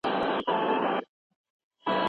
بد دوست تل بې وفا وي